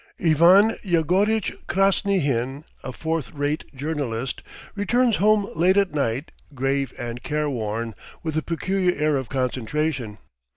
IVAN YEGORITCH KRASNYHIN, a fourth rate journalist, returns home late at night, grave and careworn, with a peculiar air of concentration.